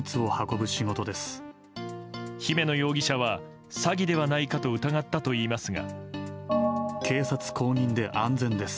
姫野容疑者は詐欺ではないかと疑ったといいますが。